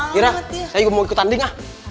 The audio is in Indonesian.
gila saya juga mau ikut tanding